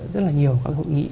rất là nhiều hội nghị